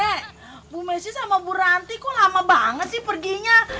eh bu messi sama bu ranti kok lama banget sih perginya